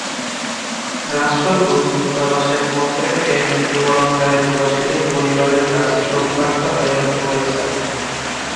রাষ্ট্রদূত দূতাবাসের পক্ষ থেকে মৃত্যুবরণকারী প্রবাসীদের পরিবারের কাছে শোকবার্তা প্রেরণ করেছেন।